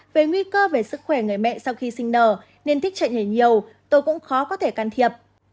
về nguy cơ về sức khỏe người mẹ sau khi sinh nở nên thích chạy hè nhiều tôi cũng khó có thể can thiệp